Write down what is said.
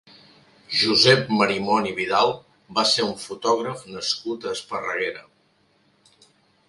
Josep Marimon i Vidal va ser un fotògraf nascut a Esparreguera.